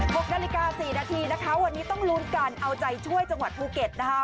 หกนาฬิกาสี่นาทีนะคะวันนี้ต้องลุ้นกันเอาใจช่วยจังหวัดภูเก็ตนะคะ